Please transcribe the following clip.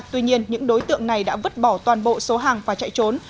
tuy nhiên những đối tượng này đã vứt bỏ toàn bộ số hàng và chạy trốn